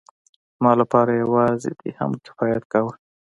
زما لپاره يوازې دې هم کفايت کاوه.